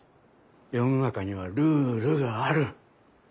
世の中にはルールがある。